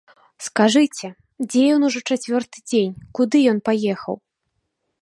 Скажыце, дзе ён ужо чацвёрты дзень, куды ён паехаў?